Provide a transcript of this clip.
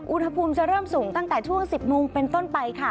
อุณหภูมิจะเริ่มสูงตั้งแต่ช่วง๑๐โมงเป็นต้นไปค่ะ